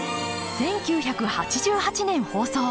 １９８８年放送。